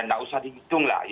tidak usah dihitung lah